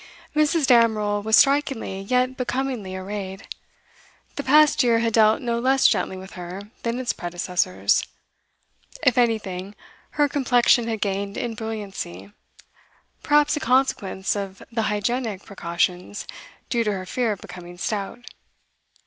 Mrs. Damerel was strikingly, yet becomingly, arrayed. The past year had dealt no less gently with her than its predecessors; if anything, her complexion had gained in brilliancy, perhaps a consequence of the hygienic precautions due to her fear of becoming stout.